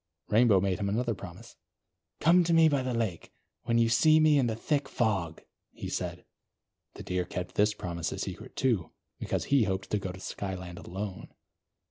Rainbow made him another promise. "Come to me by the lake, when you see me in the thick fog," he said. The Deer kept this promise a secret, too; because he hoped to go to Skyland alone.